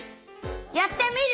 やってみる！